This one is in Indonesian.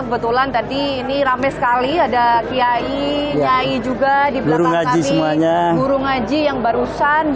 kebetulan tadi ini rame sekali ada kiai nyai juga di belakang kami guru ngaji yang barusan